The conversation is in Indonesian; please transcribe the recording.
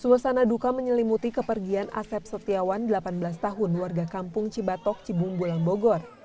suasana duka menyelimuti kepergian asep setiawan delapan belas tahun warga kampung cibatok cibung bulang bogor